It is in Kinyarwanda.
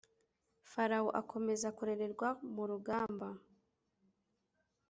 Farawo akomeza kurererwa mu rugamba